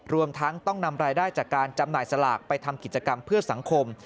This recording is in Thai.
รวมทั้งต้องนำรายได้จากการจำหน่ายสลากไปทำกิจกรรมเพื่อสังคม